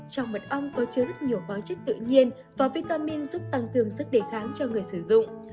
trong mật ong có chứa rất nhiều bó chất tự nhiên và vitamin giúp tăng cường sức đề kháng cho người sử dụng